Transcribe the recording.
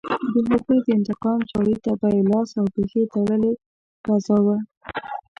د هغوی د انتقام چاړې ته به یې لاس او پښې تړلې غځاوه.